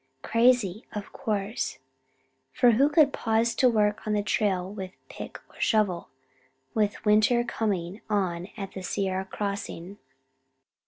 Crazy, of course; for who could pause to work on the trail with pick or shovel, with winter coming on at the Sierra crossing?